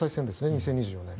２０２４年。